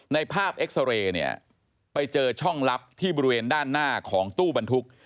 ในภาพเอ็กซาเรย์เนี่ยไปเจอช่องลับที่บริเวณด้านหน้าของตู้บรรทุก